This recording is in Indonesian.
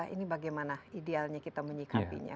ini bagaimana idealnya kita menyikapinya